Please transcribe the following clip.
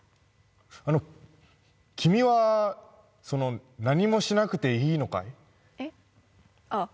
あの君はその何もしなくていいのかい？えっ？